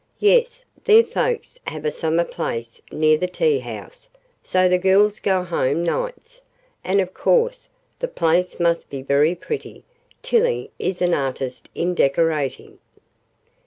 Yes, their folks have a summer place near the tea house, so the girls go home nights, and of course the place must be very pretty Tillie is an artist in decorating."